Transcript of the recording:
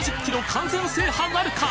完全制覇なるか！？